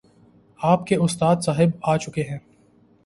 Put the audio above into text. آپ کے استاد صاحب آ چکے ہیں